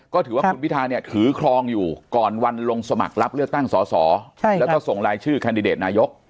ก็ถือว่าคุณพิธาเนี่ยถือครองอยู่ก่อนวันลงสมัครรับเลือกตั้งสอสอแล้วก็ส่งรายชื่อแคนดิเดตนายก